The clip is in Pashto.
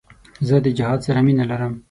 زه د جهاد سره مینه لرم.